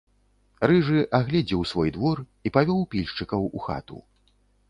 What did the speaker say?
Рыжы агледзеў свой двор і павёў пільшчыкаў у хату.